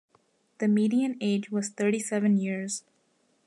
The median age was thirty-seven years.